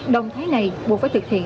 đồng thái này buộc phải thực hiện